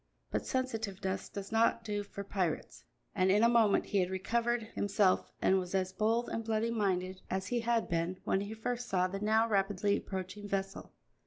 But sensitiveness does not do for pirates, and in a moment he had recovered himself and was as bold and bloody minded as he had been when he first saw the now rapidly approaching vessel.